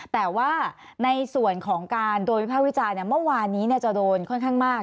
แต่ว่าในส่วนของการโดนวิภาควิจารณ์เมื่อวานนี้จะโดนค่อนข้างมาก